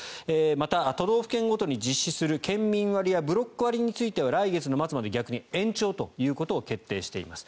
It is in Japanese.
また、都道府県ごとに実施する県民割やブロック割については来月末まで延長ということを決定しています。